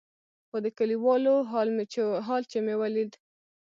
خو د کليوالو حال چې مې وليد.